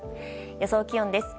予想気温です。